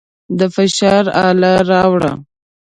د فشار اله راوړه.